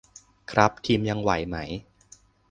ครับ ทีมยังไหวไหม